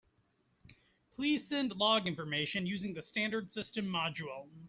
Please send log information using the standard system module.